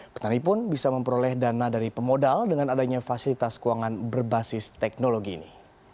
petani pun bisa memperoleh dana dari pemodal dengan adanya fasilitas keuangan berbasis teknologi ini